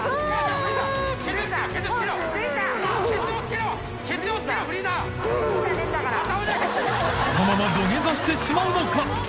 海里泙土下座してしまうのか？